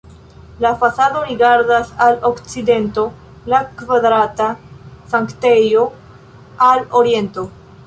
La fasado rigardas al okcidento, la kvadrata sanktejo al oriento.